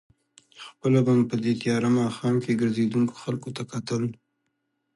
خپله به مو په دې تېاره ماښام کې ګرځېدونکو خلکو ته کتل.